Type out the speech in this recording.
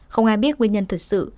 không ai biết nguyên nhân thật sự